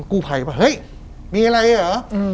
กู้ภัยป่ะเฮ้ยมีอะไรเหรอ